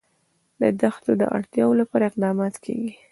د دښتو د اړتیاوو لپاره اقدامات کېږي.